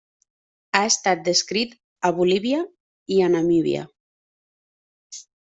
Ha estat descrit a Bolívia i a Namíbia.